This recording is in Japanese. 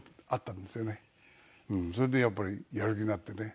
それでやっぱりやる気になってね。